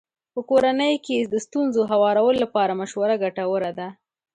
په کورنۍ کې د ستونزو هوارولو لپاره مشوره ګټوره ده.